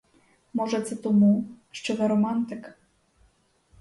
Може, це тому, що ви — романтик.